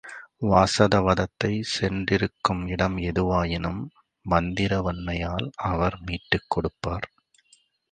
வாசவதத்தை சென்றிருக்கும் இடம் ஏதுவாயினும் மந்திர வன்மையால் அவர் மீட்டுக் கொடுப்பார்.